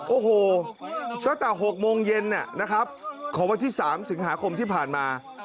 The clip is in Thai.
โอ้โหตั้งแต่๖โมงเย็นนะครับของวันที่๓สิงหาคมที่ผ่านมา